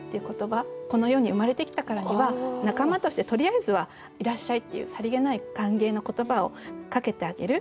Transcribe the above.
この世に生まれてきたからには仲間としてとりあえずは「いらっしゃい」っていうさりげない歓迎の言葉をかけてあげる。